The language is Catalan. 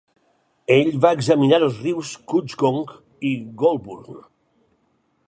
Ell va examinar el rius Cudgegong i Goulburn.